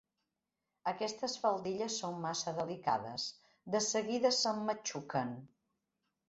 Aquestes faldilles són massa delicades: de seguida s'emmatxuquen!